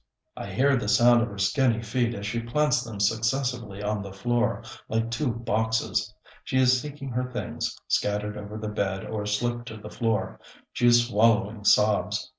I hear the sound of her skinny feet as she plants them successively on the floor, like two boxes. She is seeking her things, scattered over the bed or slipped to the floor; she is swallowing sobs.